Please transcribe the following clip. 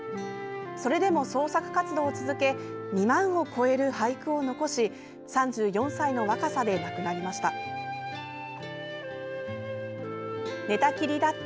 それでも創作活動を続け２万を超える俳句を残し３４歳の若さで亡くなりました。